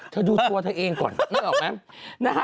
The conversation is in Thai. เธอดูตัวเธอเองก่อนนึกออกไหม